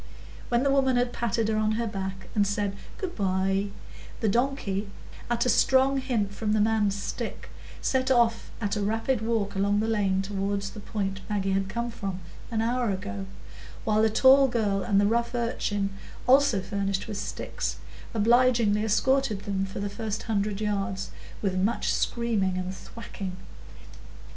When the woman had patted her on the back, and said "Good by," the donkey, at a strong hint from the man's stick, set off at a rapid walk along the lane toward the point Maggie had come from an hour ago, while the tall girl and the rough urchin, also furnished with sticks, obligingly escorted them for the first hundred yards, with much screaming and thwacking.